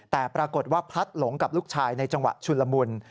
แต่ปรากฏว่าพลัดหลงกับลูกชายในจังหวะชุนละมุน